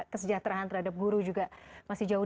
kesejahteraan terhadap guru juga masih jauh